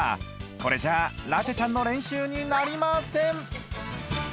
これじゃらてちゃんの練習になりません